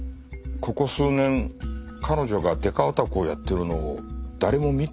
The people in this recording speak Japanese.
ここ数年彼女がデカオタクをやってるのを誰も見ていないと言ってたな。